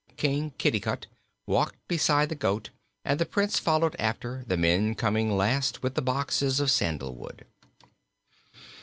King Kitticut walked beside the goat and the Prince followed after, the men coming last with the boxes of sandalwood.